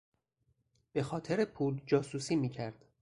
به خاطر پول جاسوسی میکرد.